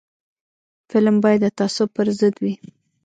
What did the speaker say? فلم باید د تعصب پر ضد وي